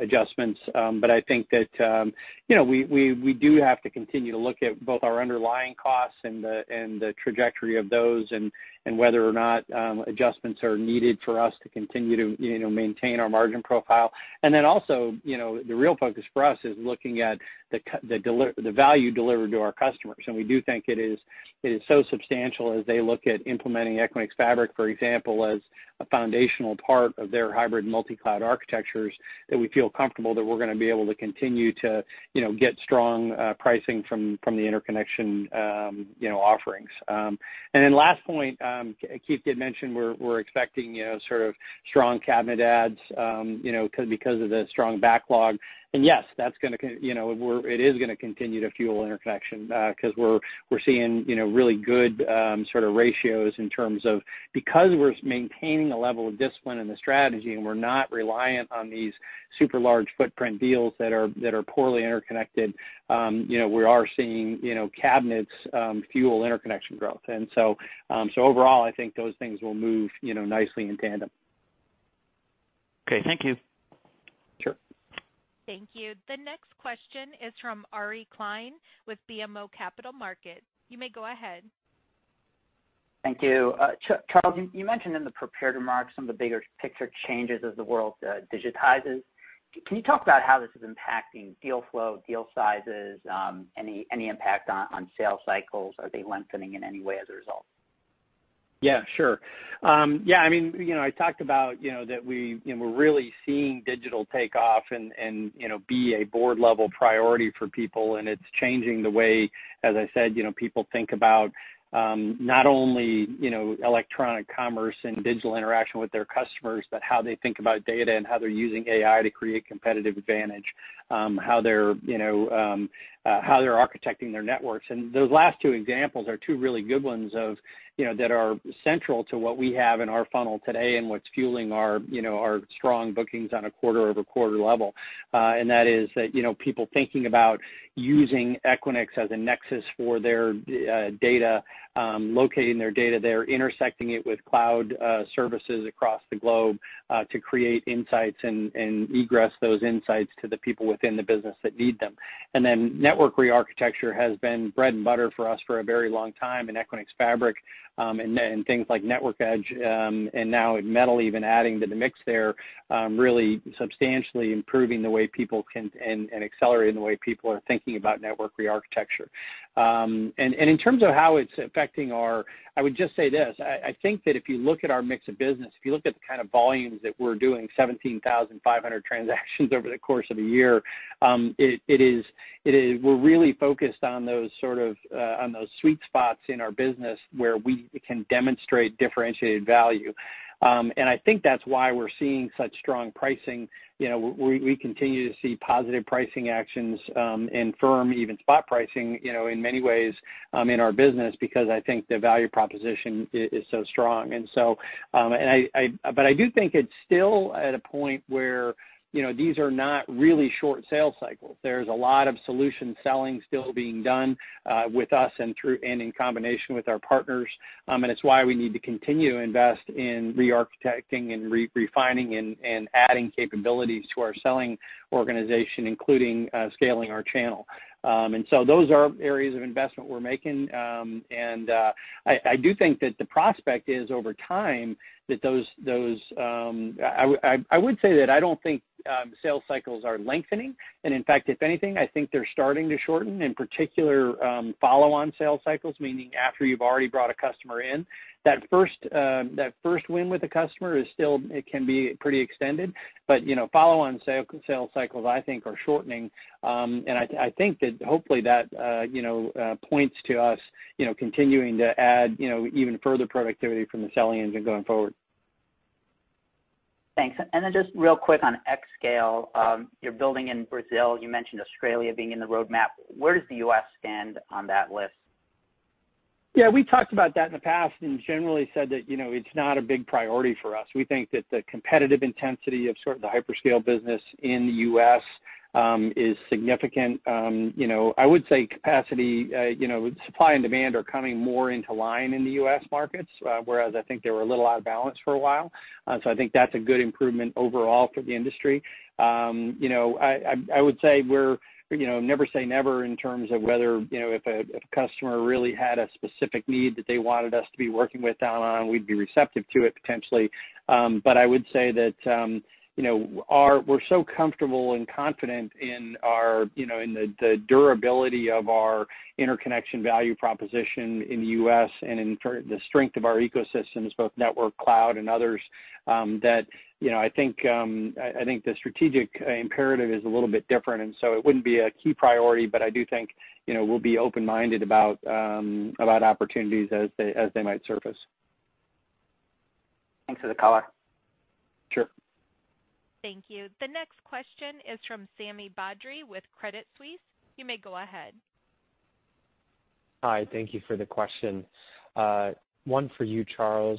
adjustments. I think that we do have to continue to look at both our underlying costs and the trajectory of those and whether or not adjustments are needed for us to continue to maintain our margin profile. Also, the real focus for us is looking at the value delivered to our customers, and we do think it is so substantial as they look at implementing Equinix Fabric, for example, as a foundational part of their hybrid multi-cloud architectures, that we feel comfortable that we're going to be able to continue to get strong pricing from the interconnection offerings. Last point, Keith did mention we're expecting strong cabinet adds because of the strong backlog. Yes, it is going to continue to fuel interconnection, because we're seeing really good ratios because we're maintaining a level of discipline in the strategy, and we're not reliant on these super large footprint deals that are poorly interconnected. We are seeing cabinets fuel interconnection growth. Overall, I think those things will move nicely in tandem. Okay. Thank you. Sure. Thank you. The next question is from Ari Klein with BMO Capital Markets. You may go ahead. Thank you. Charles, you mentioned in the prepared remarks some of the bigger picture changes as the world digitizes. Can you talk about how this is impacting deal flow, deal sizes? Any impact on sales cycles? Are they lengthening in any way as a result? Yeah, sure. I talked about that we're really seeing digital take off and be a board level priority for people, and it's changing the way, as I said, people think about not only electronic commerce and digital interaction with their customers, but how they think about data and how they're using AI to create competitive advantage. How they're architecting their networks. Those last two examples are two really good ones that are central to what we have in our funnel today and what's fueling our strong bookings on a quarter-over-quarter level. That is that people thinking about using Equinix as a nexus for their data, locating their data there, intersecting it with cloud services across the globe to create insights and egress those insights to the people within the business that need them. Network re-architecture has been bread and butter for us for a very long time in Equinix Fabric, and things like Network Edge, and now Metal even adding to the mix there, really substantially improving the way people can, and accelerating the way people are thinking about network re-architecture. In terms of how it's affecting our, I would just say this, I think that if you look at our mix of business, if you look at the kind of volumes that we're doing, 17,500 transactions over the course of a year, we're really focused on those sweet spots in our business where we can demonstrate differentiated value. I think that's why we're seeing such strong pricing. We continue to see positive pricing actions in firm, even spot pricing, in many ways in our business, because I think the value proposition is so strong. I do think it's still at a point where these are not really short sales cycles. There's a lot of solution selling still being done with us and in combination with our partners. It's why we need to continue to invest in re-architecting and refining and adding capabilities to our selling organization, including scaling our channel. Those are areas of investment we're making. I do think that the prospect is over time, I would say that I don't think sales cycles are lengthening. In fact, if anything, I think they're starting to shorten, in particular, follow-on sales cycles, meaning after you've already brought a customer in. That first win with a customer it can be pretty extended. Follow-on sale cycles, I think are shortening. I think that hopefully that points to us continuing to add even further productivity from the selling engine going forward. Thanks. Then just real quick on xScale. You're building in Brazil. You mentioned Australia being in the roadmap. Where does the U.S. stand on that list? Yeah, we talked about that in the past and generally said that it's not a big priority for us. We think that the competitive intensity of sort of the hyperscale business in the U.S. is significant. I would say capacity, supply and demand are coming more into line in the U.S. markets. Whereas I think they were a little out of balance for a while. I think that's a good improvement overall for the industry. I would say we're never say never in terms of whether if a customer really had a specific need that they wanted us to be working with them on, we'd be receptive to it potentially. I would say that we're so comfortable and confident in the durability of our interconnection value proposition in the U.S. and in the strength of our ecosystems, both network, cloud, and others, that I think the strategic imperative is a little bit different, and so it wouldn't be a key priority, but I do think we'll be open-minded about opportunities as they might surface. Thanks for the color. Sure. Thank you. The next question is from Sami Badri with Credit Suisse. You may go ahead. Hi. Thank you for the question. One for you, Charles,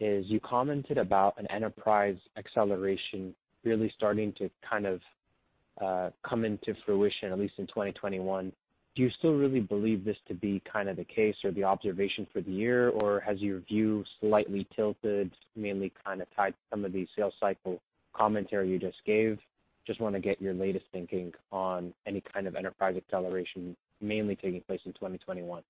is you commented about an enterprise acceleration really starting to kind of come into fruition at least in 2021. Do you still really believe this to be the case or the observation for the year? Has your view slightly tilted, mainly tied to some of the sales cycle commentary you just gave? Just want to get your latest thinking on any kind of enterprise acceleration mainly taking place in 2021.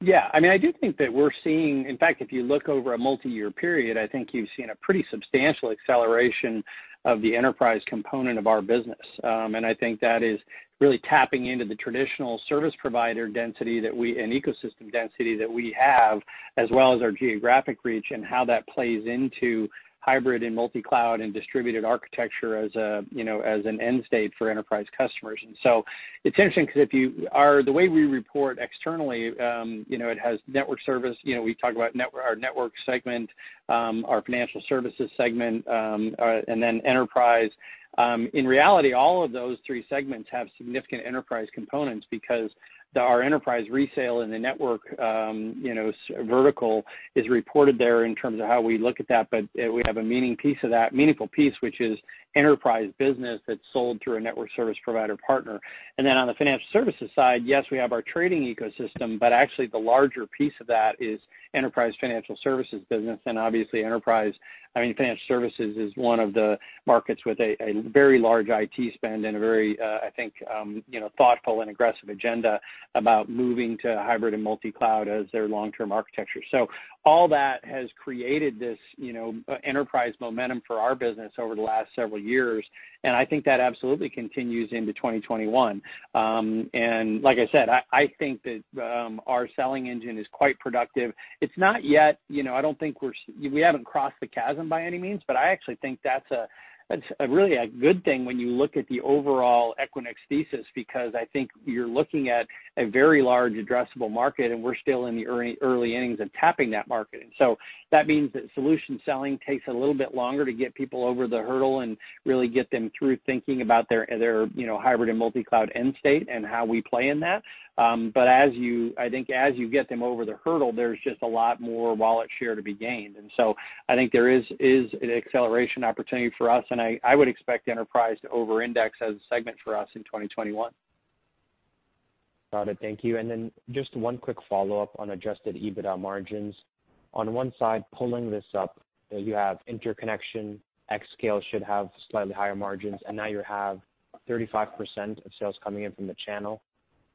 Yeah. I do think that we're seeing, in fact, if you look over a multi-year period, I think you've seen a pretty substantial acceleration of the enterprise component of our business. I think that is really tapping into the traditional service provider density and ecosystem density that we have, as well as our geographic reach and how that plays into hybrid multi-cloud and distributed architecture as an end state for enterprise customers. It's interesting because the way we report externally, it has network service. We talk about our network segment, our financial services segment, and then enterprise. In reality, all of those three segments have significant enterprise components because our enterprise resale in the network vertical is reported there in terms of how we look at that. We have a meaningful piece, which is enterprise business that's sold through a network service provider partner. On the financial services side, yes, we have our trading ecosystem, but actually the larger piece of that is enterprise financial services business. Obviously enterprise, I mean, financial services is one of the markets with a very large IT spend and a very, I think, thoughtful and aggressive agenda about moving to hybrid and multi-cloud as their long-term architecture. All that has created this enterprise momentum for our business over the last several years, and I think that absolutely continues into 2021. Like I said, I think that our selling engine is quite productive. We haven't crossed the chasm by any means, but I actually think that's really a good thing when you look at the overall Equinix thesis, because I think you're looking at a very large addressable market, and we're still in the early innings of tapping that market. That means that solution selling takes a little bit longer to get people over the hurdle and really get them through thinking about their hybrid and multi-cloud end state and how we play in that. I think as you get them over the hurdle, there's just a lot more wallet share to be gained. I think there is an acceleration opportunity for us, and I would expect enterprise to over-index as a segment for us in 2021. Got it. Thank you. Just one quick follow-up on adjusted EBITDA margins. On one side, pulling this up, you have interconnection, xScale should have slightly higher margins, now you have 35% of sales coming in from the channel.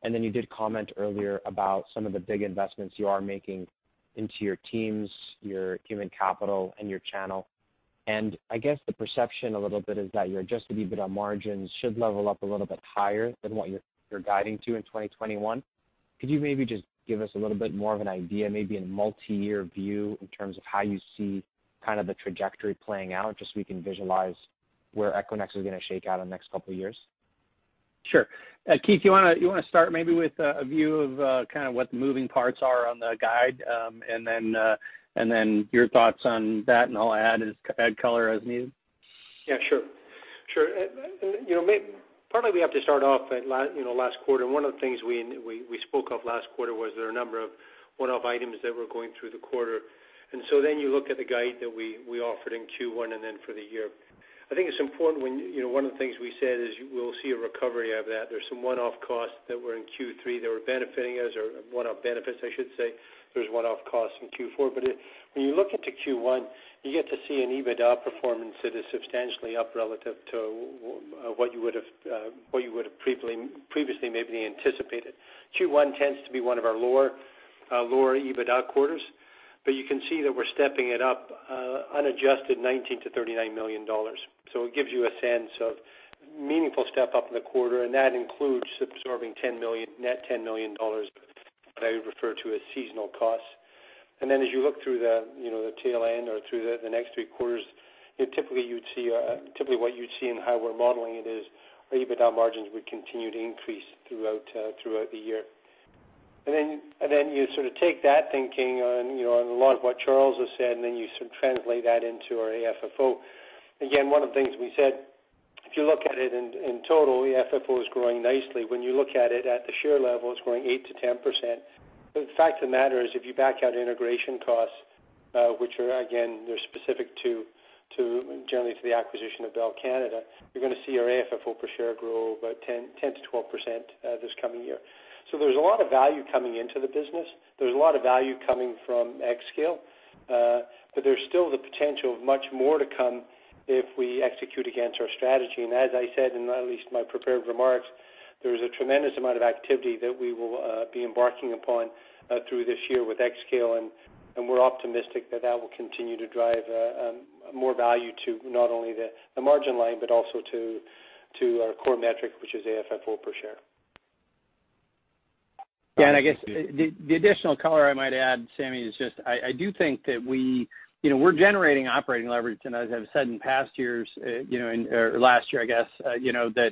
You did comment earlier about some of the big investments you are making into your teams, your human capital, and your channel. I guess the perception a little bit is that your adjusted EBITDA margins should level up a little bit higher than what you're guiding to in 2021. Could you maybe just give us a little bit more of an idea, maybe a multi-year view in terms of how you see the trajectory playing out, just so we can visualize where Equinix is going to shake out in the next couple of years? Sure. Keith, you want to start maybe with a view of what the moving parts are on the guide, and then your thoughts on that, and I'll add color as needed? Yeah, sure. Probably we have to start off at last quarter. One of the things we spoke of last quarter was there are a number of one-off items that were going through the quarter. You look at the guide that we offered in Q1 and then for the year. I think it's important, one of the things we said is we'll see a recovery of that. There's some one-off costs that were in Q3 that were benefiting us, or one-off benefits, I should say. There was one-off costs in Q4. When you look into Q1, you get to see an EBITDA performance that is substantially up relative to what you would have previously maybe anticipated. Q1 tends to be one of our lower EBITDA quarters, but you can see that we're stepping it up unadjusted $19 million-$39 million. It gives you a sense of meaningful step-up in the quarter, and that includes absorbing net $10 million that I would refer to as seasonal costs. As you look through the tail end or through the next three quarters, typically what you'd see in how we're modeling it is our EBITDA margins would continue to increase throughout the year. You take that thinking on a lot of what Charles has said, then you translate that into our AFFO. One of the things we said, if you look at it in total, the AFFO is growing nicely. When you look at it at the share level, it's growing 8%-10%. The fact of the matter is, if you back out integration costs, which are, again, they're specific generally to the acquisition of Bell Canada, you're going to see our AFFO per share grow about 10%-12% this coming year. There's a lot of value coming into the business. There's a lot of value coming from xScale. There's still the potential of much more to come if we execute against our strategy. As I said, in at least my prepared remarks, there is a tremendous amount of activity that we will be embarking upon through this year with xScale, and we're optimistic that that will continue to drive more value to not only the margin line, but also to our core metric, which is AFFO per share. Yeah, I guess the additional color I might add, Sami, is just I do think that we're generating operating leverage. As I've said in past years, or last year, I guess, that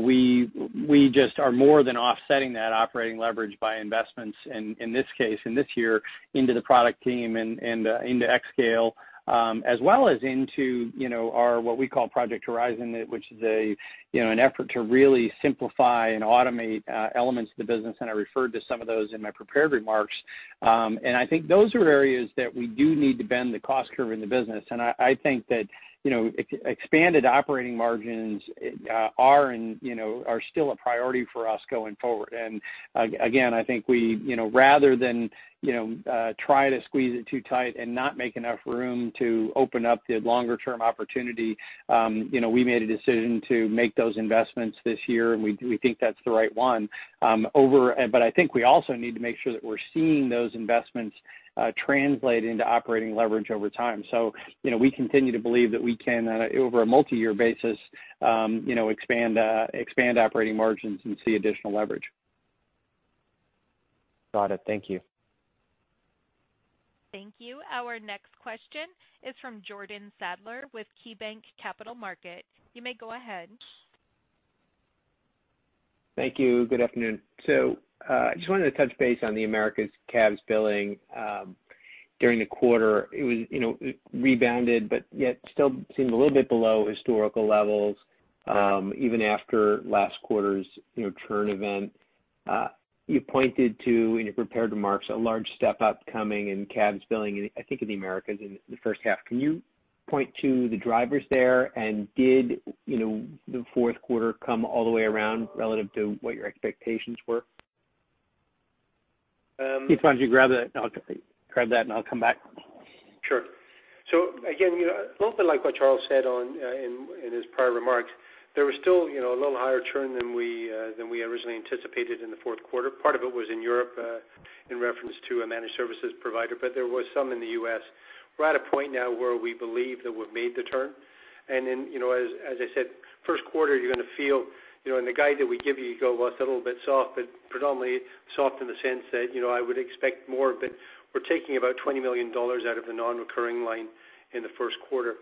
we just are more than offsetting that operating leverage by investments in this case, in this year into the product team and into xScale. As well as into our, what we call Project Horizon, which is an effort to really simplify and automate elements of the business, and I referred to some of those in my prepared remarks. I think those are areas that we do need to bend the cost curve in the business. I think that expanded operating margins are still a priority for us going forward. Again, I think we rather than try to squeeze it too tight and not make enough room to open up the longer-term opportunity, we made a decision to make those investments this year, and we think that's the right one. I think we also need to make sure that we're seeing those investments translate into operating leverage over time. We continue to believe that we can, over a multi-year basis, expand operating margins and see additional leverage. Got it. Thank you. Thank you. Our next question is from Jordan Sadler with KeyBanc Capital Markets. You may go ahead. Thank you. Good afternoon. I just wanted to touch base on the Americas CABS billing during the quarter. It rebounded, but yet still seemed a little bit below historical levels, even after last quarter's churn event. You pointed to, in your prepared remarks, a large step-up coming in CABS billing, I think in the Americas, in the first half. Can you point to the drivers there, and did the fourth quarter come all the way around relative to what your expectations were? Keith, why don't you grab that, and I'll come back? Sure. Again, a little bit like what Charles said in his prior remarks, there was still a little higher churn than we originally anticipated in the fourth quarter. Part of it was in Europe, in reference to a managed services provider, but there was some in the U.S. We're at a point now where we believe that we've made the turn. Then, as I said, first quarter you're going to feel, in the guide that we give you go, "Well, that's a little bit soft," but predominantly soft in the sense that I would expect more, but we're taking about $20 million out of the non-recurring line in the first quarter.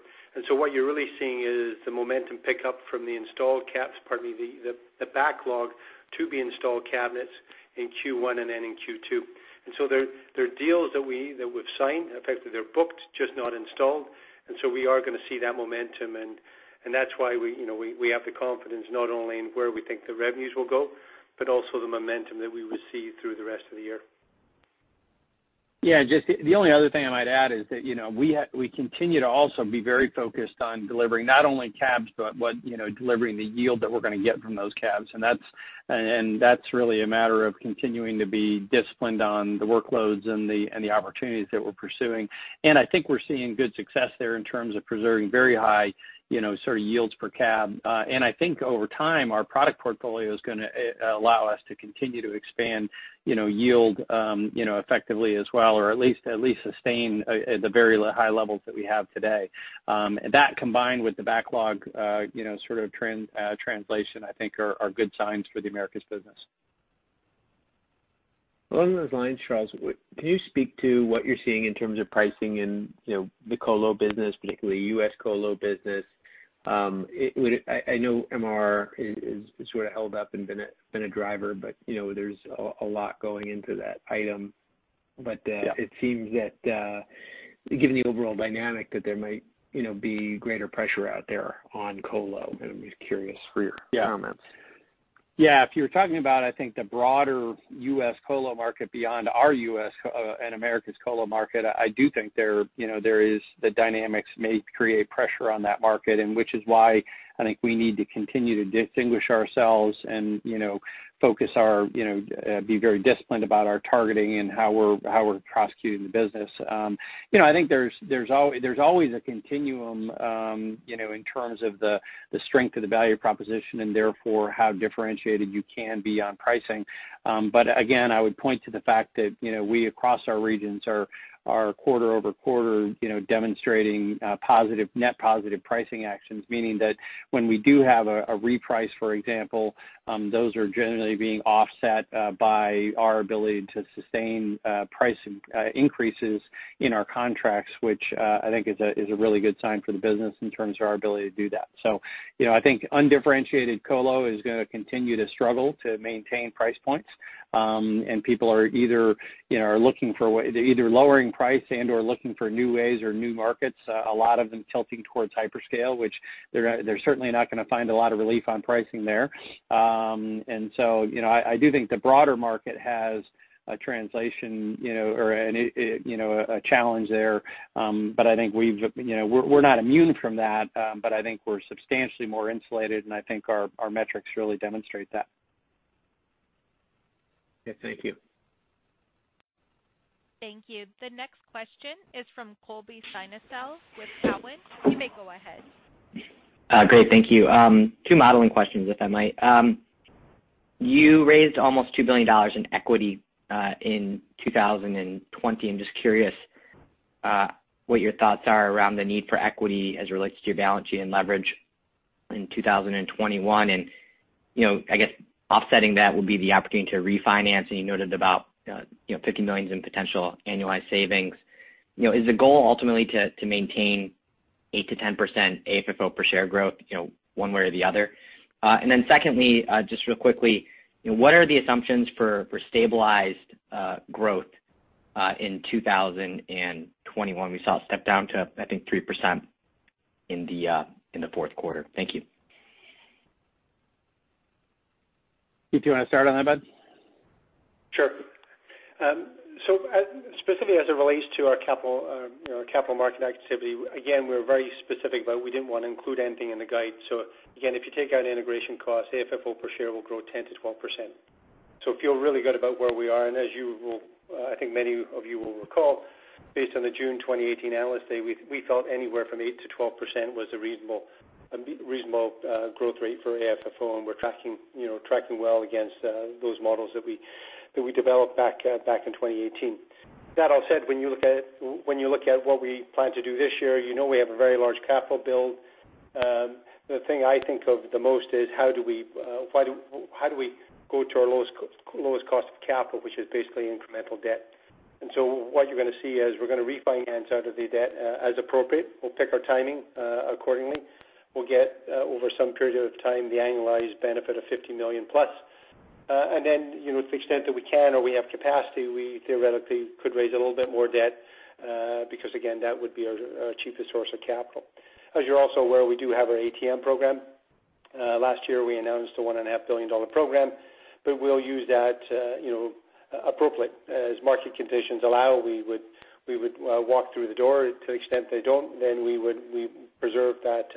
So what you're really seeing is the momentum pick up from the installed CABS, pardon me, the backlog to be installed cabinets in Q1 and then in Q2. So they're deals that we've signed. In fact, they're booked, just not installed. We are going to see that momentum, and that's why we have the confidence not only in where we think the revenues will go, but also the momentum that we will see through the rest of the year. Yeah. Just the only other thing I might add is that we continue to also be very focused on delivering not only CABS, but delivering the yield that we're going to get from those CABS. That's really a matter of continuing to be disciplined on the workloads and the opportunities that we're pursuing. I think we're seeing good success there in terms of preserving very high yields per CAB. I think over time, our product portfolio is going to allow us to continue to expand yield effectively as well, or at least sustain at the very high levels that we have today. That combined with the backlog translation, I think, are good signs for the Americas business. Along those lines, Charles, can you speak to what you're seeing in terms of pricing in the colo business, particularly U.S. colo business? I know MR has held up and been a driver, there's a lot going into that item. Yeah. It seems that given the overall dynamic, that there might be greater pressure out there on colo, and I'm just curious for your comments. Yeah. If you're talking about, I think, the broader U.S. colo market beyond our U.S. and Americas colo market, I do think the dynamics may create pressure on that market, which is why I think we need to continue to distinguish ourselves and be very disciplined about our targeting and how we're prosecuting the business. I think there's always a continuum in terms of the strength of the value proposition, and therefore how differentiated you can be on pricing. Again, I would point to the fact that we, across our regions, are quarter-over-quarter demonstrating net positive pricing actions, meaning that when we do have a reprice, for example, those are generally being offset by our ability to sustain price increases in our contracts, which I think is a really good sign for the business in terms of our ability to do that. I think undifferentiated colo is going to continue to struggle to maintain price points. People are either lowering price and/or looking for new ways or new markets, a lot of them tilting towards hyperscale, which they're certainly not going to find a lot of relief on pricing there. I do think the broader market has a translation or a challenge there. We're not immune from that, but I think we're substantially more insulated, and I think our metrics really demonstrate that. Yes. Thank you. Thank you. The next question is from Colby Synesael with Cowen. You may go ahead. Great. Thank you. Two modeling questions, if I might. You raised almost $2 billion in equity in 2020. I'm just curious what your thoughts are around the need for equity as it relates to your balance sheet and leverage in 2021. I guess offsetting that would be the opportunity to refinance, and you noted about $50 million in potential annualized savings. Is the goal ultimately to maintain 8%-10% AFFO per share growth one way or the other? Secondly, just real quickly, what are the assumptions for stabilized growth in 2021? We saw it step down to, I think, 3% in the fourth quarter. Thank you. Keith, do you want to start on that, bud? Sure. Specifically as it relates to our capital market activity, again, we're very specific about we didn't want to include anything in the guide. Again, if you take out integration costs, AFFO per share will grow 10%-12%. Feel really good about where we are, and as I think many of you will recall, based on the June 2018 Analyst Day, we felt anywhere from 8%-12% was a reasonable growth rate for AFFO, and we're tracking well against those models that we developed back in 2018. That all said, when you look at what we plan to do this year, you know we have a very large capital build. The thing I think of the most is how do we go to our lowest cost of capital, which is basically incremental debt. What you're going to see is we're going to refinance out of the debt as appropriate. We'll pick our timing accordingly. We'll get, over some period of time, the annualized benefit of $50 million+. To the extent that we can or we have capacity, we theoretically could raise a little bit more debt, because again, that would be our cheapest source of capital. As you're also aware, we do have our ATM program. Last year, we announced a $1.5 billion program, but we'll use that appropriately. As market conditions allow, we would walk through the door. To the extent they don't, we preserve that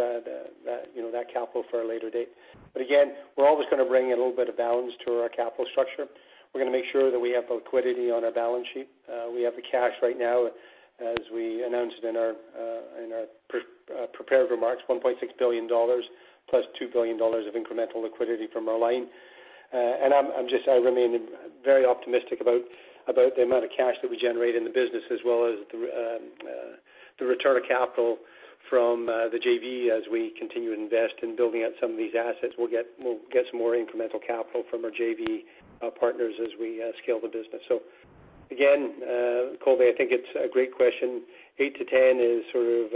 capital for a later date. Again, we're always going to bring a little bit of balance to our capital structure. We're going to make sure that we have liquidity on our balance sheet. We have the cash right now, as we announced in our prepared remarks, $1.6 billion + $2 billion of incremental liquidity from our line. I remain very optimistic about the amount of cash that we generate in the business as well as the return of capital from the JV as we continue to invest in building out some of these assets. We'll get some more incremental capital from our JV partners as we scale the business. Again, Colby, I think it's a great question. 8%-10% is sort of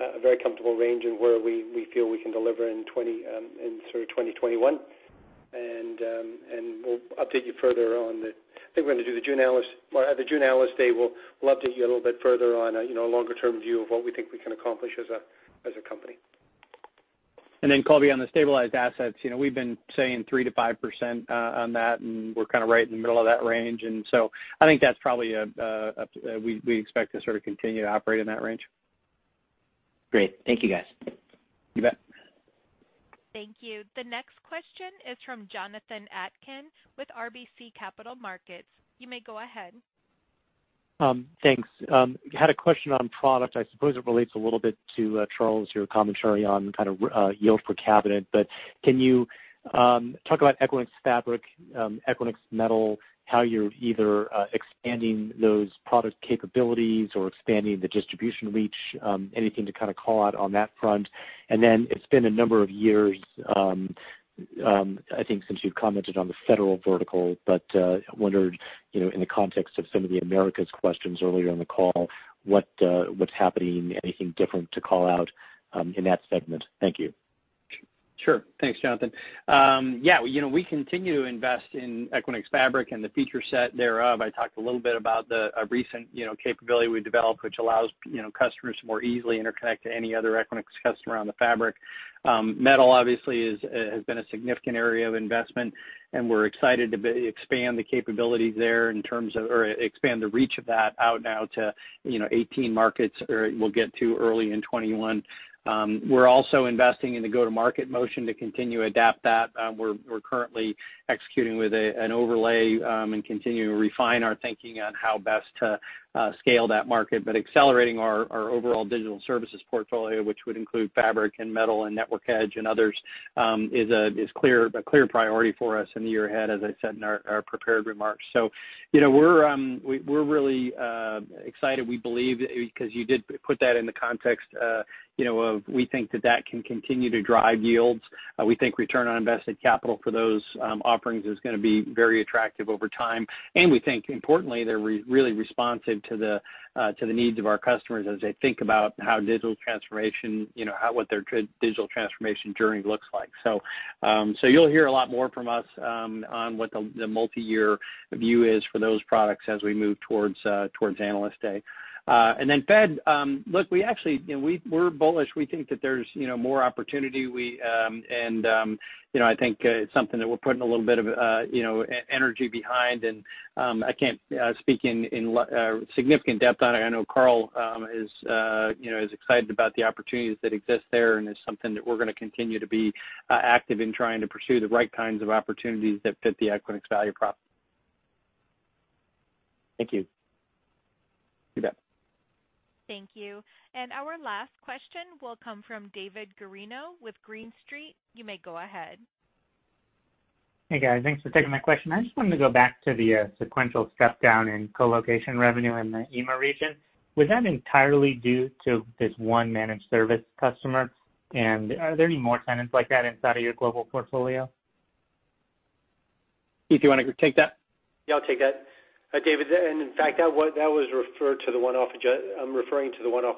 a very comfortable range in where we feel we can deliver in 2021. We'll update you further I think at the June Analyst Day, we'll update you a little bit further on a longer-term view of what we think we can accomplish as a company. Colby, on the stabilized assets, we've been saying 3%-5% on that, and we're kind of right in the middle of that range. I think that's probably, we expect to sort of continue to operate in that range. Great. Thank you, guys. You bet. Thank you. The next question is from Jonathan Atkin with RBC Capital Markets. You may go ahead. Thanks. Had a question on product. I suppose it relates a little bit to, Charles, your commentary on kind of yield per cabinet. Can you talk about Equinix Fabric, Equinix Metal, how you're either expanding those product capabilities or expanding the distribution reach. Anything to kind of call out on that front? It's been a number of years, I think, since you've commented on the federal vertical. I wondered, in the context of some of the Americas questions earlier in the call, what's happening, anything different to call out in that segment? Thank you. Sure. Thanks, Jonathan. We continue to invest in Equinix Fabric and the feature set thereof. I talked a little bit about the recent capability we developed, which allows customers to more easily interconnect to any other Equinix customer on the Fabric. Metal obviously has been a significant area of investment, and we're excited to expand the capabilities there in terms of, or expand the reach of that out now to 18 markets, or we'll get to early in 2021. We're also investing in the go-to-market motion to continue to adapt that. We're currently executing with an overlay and continuing to refine our thinking on how best to scale that market. Accelerating our overall digital services portfolio, which would include Fabric and Metal and Network Edge and others, is a clear priority for us in the year ahead, as I said in our prepared remarks. We're really excited. We believe, because you did put that in the context of we think that that can continue to drive yields. We think return on invested capital for those offerings is going to be very attractive over time. We think importantly, they're really responsive to the needs of our customers as they think about what their digital transformation journey looks like. You'll hear a lot more from us on what the multi-year view is for those products as we move towards Analyst Day. Fed, look, we actually, we're bullish. We think that there's more opportunity. I think it's something that we're putting a little bit of energy behind, and I can't speak in significant depth on it. I know Karl is excited about the opportunities that exist there, and it's something that we're going to continue to be active in trying to pursue the right kinds of opportunities that fit the Equinix value prop. Thank you. You bet. Thank you. Our last question will come from David Guarino with Green Street. You may go ahead. Hey, guys. Thanks for taking my question. I just wanted to go back to the sequential step down in colocation revenue in the EMEA region. Was that entirely due to this one managed service customer? Are there any more tenants like that inside of your global portfolio? Keith, you want to take that? Yeah, I'll take that, David. In fact, I'm referring to the one-off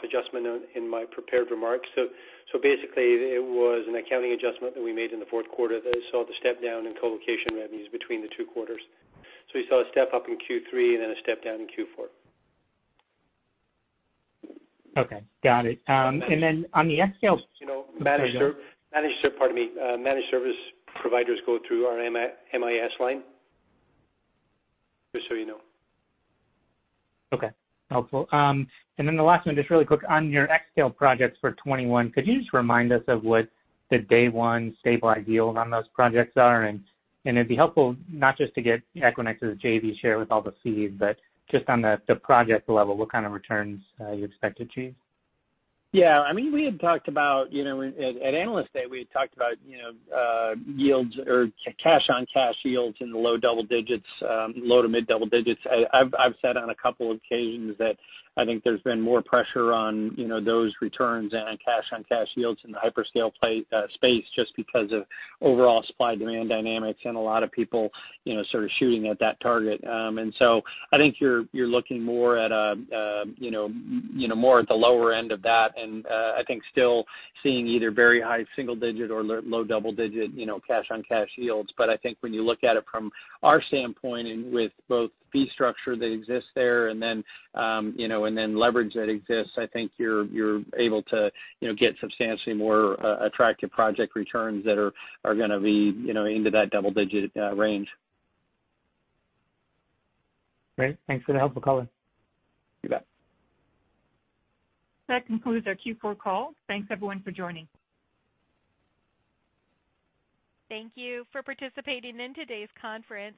adjustment in my prepared remarks. Basically, it was an accounting adjustment that we made in the fourth quarter that saw the step down in colocation revenues between the two quarters. We saw a step-up in Q3 and then a step down in Q4. Okay. Got it. Then on the xScale. Managed service providers go through our MIS line. Just so you know. Okay. Helpful. The last one, just really quick, on your xScale projects for 2021, could you just remind us of what the day one stabilized yield on those projects are? It'd be helpful not just to get Equinix's JV share with all the fees, but just on the project level, what kind of returns you expect to achieve? Yeah. I mean we have talked about. You know, at Analyst Day, we had talked about cash-on-cash yields in the low double digits, low to mid double digits. I've said on a couple occasions that I think there's been more pressure on those returns and on cash-on-cash yields in the hyperscale space just because of overall supply-demand dynamics and a lot of people sort of shooting at that target. I think you're looking more at the lower end of that, and I think still seeing either very high single digit or low double digit cash-on-cash yields. I think when you look at it from our standpoint and with both fee structure that exists there and then leverage that exists, I think you're able to get substantially more attractive project returns that are going to be into that double-digit range. Great. Thanks for the helpful color. You bet. That concludes our Q4 call. Thanks, everyone, for joining. Thank you for participating in today's conference.